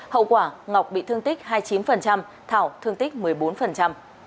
hậu quả ngọc bị thương tích hai mươi chín thảo thương tích một mươi bốn